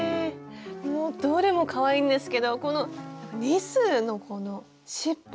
もうどれもかわいいんですけどこのリスのこの尻尾。